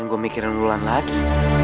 ngapain gua mikirin mulan lagi